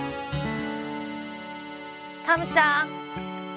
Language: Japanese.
タムちゃん！